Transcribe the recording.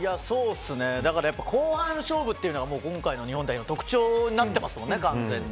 だから、後半勝負というのが今回の日本代表の特徴になってますもんね、完全に。